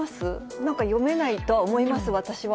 なんか読めないとは思います、私は。